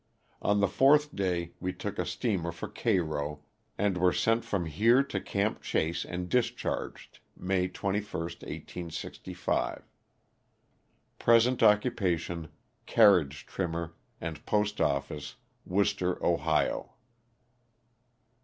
On the fourth day we took a steamer for Cairo, and were sent from here to Camp Chase and discharged May 21, 1865. Present occupation, carriage trimmer, and post oflBce, Wooster, Ohio.